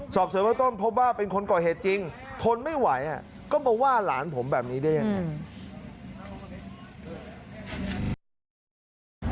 สอบเสริมเบื้องต้นพบว่าเป็นคนก่อเหตุจริงทนไม่ไหวก็มาว่าหลานผมแบบนี้ได้ยังไง